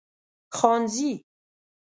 خانزي